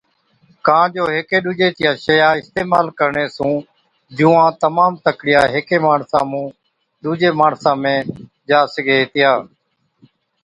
ڪان جو هيڪي ڏُوجي چِيا شئِيا اِستعمال ڪرڻي سُون جُوئان تمام تڪڙِيان هيڪي ماڻسا مُون ڏُوجي ماڻسا ۾ سِگھي هِتِيا